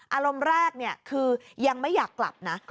อารมณ์แรกคือยังไม่อยากกลับนะ